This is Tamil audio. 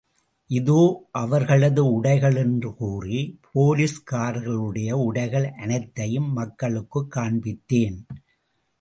இதோ அவர்களது உடைகள் என்று கூறி, போலீஸ்காரர்களுடைய உடைகள் அனைத்தையும் மக்களுக்குக் காண்பித்தேன்.